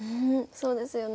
そうですよね。